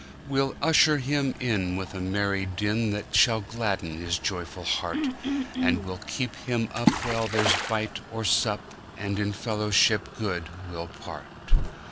We'll usher him in with a merry dinThat shall gladden his joyous heart, And we'll keep him up while there's bite or sup, And in fellowship good, we'll part.